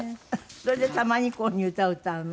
それでたまにこういう風に歌を歌うの？